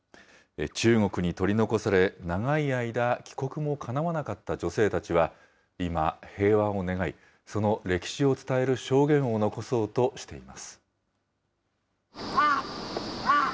中国に取り残され、長い間、帰国もかなわなかった女性たちは、今、平和を願い、その歴史を伝える証言を残そうとしています。